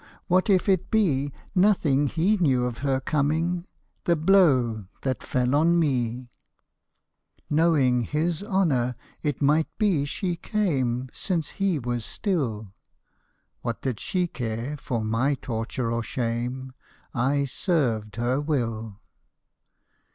"What if it be Nothing he knew of her coming — the blow That fell on me ? Knowing his honour, it might be she came, Since he was still. What did she care for my torture or shame ?— I served her will.